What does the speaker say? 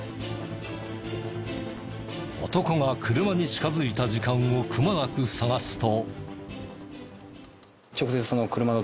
男が車に近づいた時間をくまなく探すと。